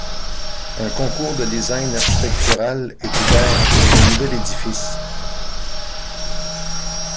Un concours de design architectural est ouvert pour le nouvel édifice.